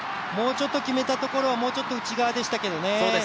決めたところはもうちょっと内側でしたけどね